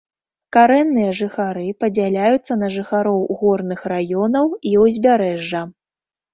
Карэнныя жыхары падзяляюцца на жыхароў горных раёнаў і ўзбярэжжа.